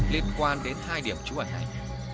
liên quan đến hai điểm trú ẩn này